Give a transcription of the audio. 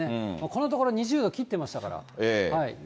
このところ２０度切ってましたから。